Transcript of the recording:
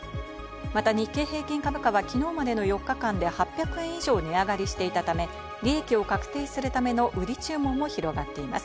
また日経平均株価はきのうまでの４日間で８００円以上値上がりしていたため、利益を確定するための売り注文も広がっています。